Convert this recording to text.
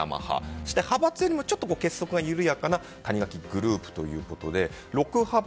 そして派閥よりも結束が緩やかな谷垣グループということで６派閥